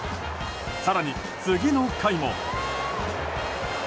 更に次の回も。